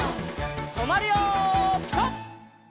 とまるよピタ！